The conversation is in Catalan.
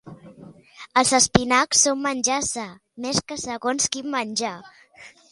Els espinacs són menjar sa, més que segons quin menjar.